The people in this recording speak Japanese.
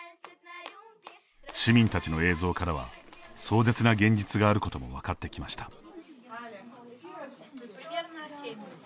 市民たちの映像からは壮絶な現実があることも分かってきました。